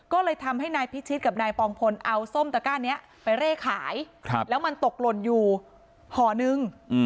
ก็เลยทำให้นายพิชิตกับนายปองพลเอาส้มตะก้านี้ไปเร่ขายแล้วมันตกหล่นอยู่ห่อนึง